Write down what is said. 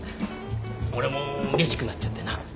俺もうれしくなっちゃってな。